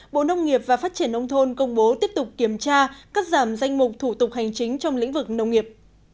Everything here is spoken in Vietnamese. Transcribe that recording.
bộ nông nghiệp và phát triển nông thôn công bố tiếp tục kiểm tra cắt giảm danh mục thủ tục hành chính trong lĩnh vực nông nghiệp